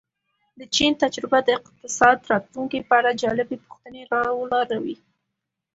د چین تجربه د اقتصاد راتلونکې په اړه جالبې پوښتنې را ولاړوي.